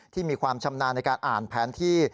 มีความชำนาญในการอ่านแผนที่